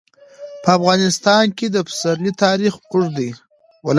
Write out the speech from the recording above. په افغانستان کې د پسرلی تاریخ اوږد دی.